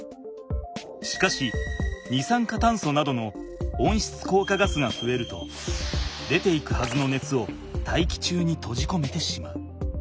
しかし二酸化炭素などの温室効果ガスがふえると出ていくはずのねつを大気中にとじこめてしまう。